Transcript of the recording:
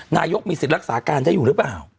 นายกมีสิทธิ์รักษาการได้อยู่หรือเปล่า